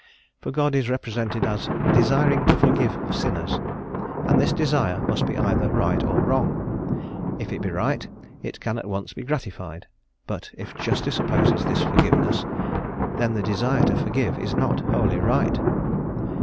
For God is represented as desiring to forgive sinners, and this desire must be either right or wrong. If it be right, it can at once be gratified; but if Justice opposes this forgiveness, then the desire to forgive is not wholly right.